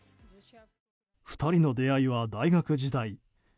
２人の出会いは大学時代。